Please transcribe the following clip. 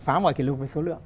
phá mọi kỷ lục về số lượng